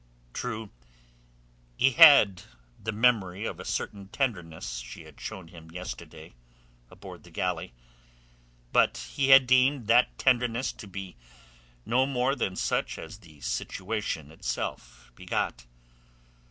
True, he had the memory of a certain tenderness she had shown him yesternight aboard the galley, but he had deemed that tenderness to be no more than such as the situation itself begot.